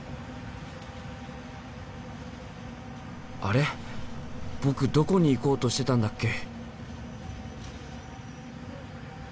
あれ僕どこに行こうとしてたんだっけ？